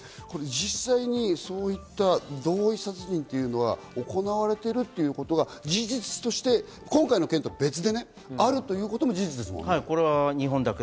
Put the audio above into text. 実際にそういった同意殺人というのが行われているということは事実として今回の件とは別で、あるということも事実ですよね。